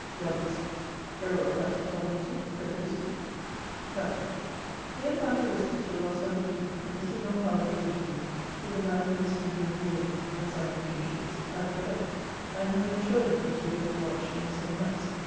Lovel. Very well, Captain Tomlinson pray proceed. Capt. 'Here the matter rested till last Sunday evening, when Mr. John Harlowe came to me with the man who had seen you and your lady (as I presume she is) at the play; and who had assured him, that you both lodged in the same house.